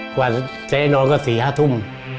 กว่าจะให้นอนก็๔๕ทุ่ม